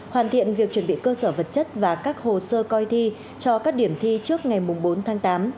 hoàn thiện việc chuẩn bị cơ sở vật chất và các hồ sơ coi thi cho các điểm thi trước ngày bốn tháng tám